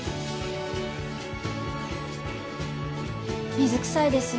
水くさいですよ